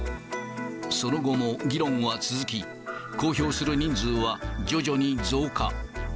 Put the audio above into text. その後も議論は続き、公表する人数は徐々に増加。